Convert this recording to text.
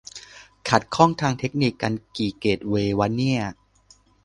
ขัดข้องทางเทคนิคกันกี่เกตเวย์วะเนี่ย